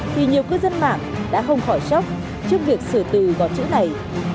thì nhiều cư dân mạng đã không khỏi sốc trước việc sửa từ gọt chữ này